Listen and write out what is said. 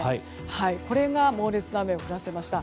これが猛烈な雨を降らせました。